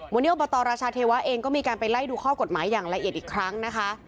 วันนี้อบตรราชาเทวะเองก็มีการไปไล่ดูข้อกฎหมายอย่างละเอียดอีกครั้งนะคะ